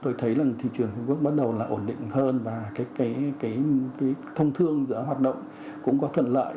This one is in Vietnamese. tôi thấy là thị trường trung quốc bắt đầu là ổn định hơn và cái thông thương giữa hoạt động cũng có thuận lợi